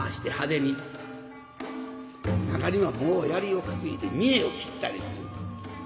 中にはもうやりを担いで見得を切ったりする。